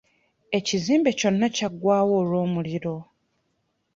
Ekizimbe kyonna kya ggwawo olw'omuliro.